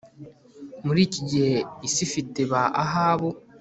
Muri iki gihe isi ifite ba Ahabu